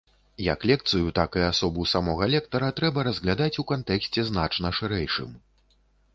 Як лекцыю, так і асобу самога лектара трэба разглядаць у кантэксце значна шырэйшым.